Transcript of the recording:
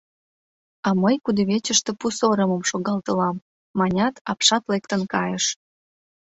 А мый кудывечыште пу сорымым шогалтылам, — манят, апшат лектын кайыш.